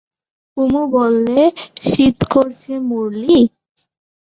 কুমু বললে, শীত করছে মুরলী?